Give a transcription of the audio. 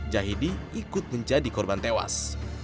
jahidi ikut menjadi korban tewas